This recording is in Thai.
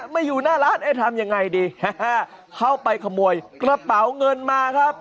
อยู่หน้าร้านทำยังไงดีเข้าไปขโมยกระเป๋าเงินมาครับ